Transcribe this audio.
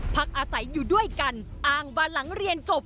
พักอาศัยอยู่ด้วยกันอ้างว่าหลังเรียนจบ